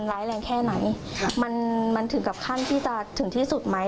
ร้ายแรงแค่ไหนมันมันถึงกับขั้นที่จะถึงที่สุดไหม